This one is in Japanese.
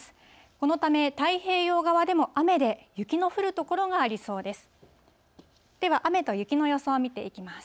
このため、太平洋側でも雨で、雪の降る所がありそうです。